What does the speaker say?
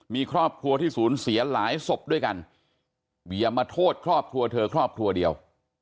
มีครอบครัวที่สูญเสียหลายศพด้วยกันอย่ามาโทษครอบครัวเธอครอบครัวเดียว